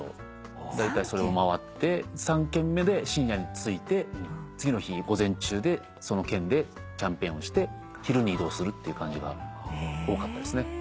だいたいそれを回って３県目で深夜に着いて次の日午前中でその県でキャンペーンをして昼に移動するっていう感じが多かったですね。